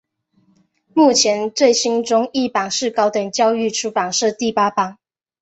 目前最新中译版是高等教育出版社第八版。